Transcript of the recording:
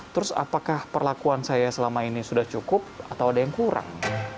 terus apakah perlakuan saya selama ini sudah cukup atau ada yang kurang